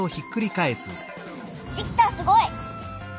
できたすごい！